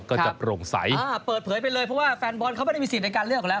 ก็จะโปร่งใสอ่าเปิดเผยไปเลยเพราะว่าแฟนบอลเขาไม่ได้มีสิทธิ์ในการเลือกแล้ว